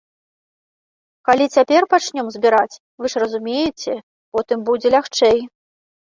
Калі цяпер пачнём збіраць, вы ж разумееце, потым будзе лягчэй.